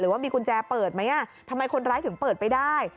ว่ามีกุญแจเปิดไหมทำไมคนร้ายถึงเปิดไปได้